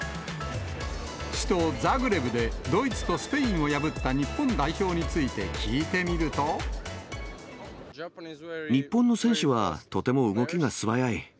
首都ザグレブでドイツとスペインを破った日本代表について聞いて日本の選手は、とても動きが素早い。